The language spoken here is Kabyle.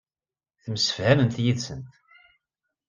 Temsefhamemt yid-sent.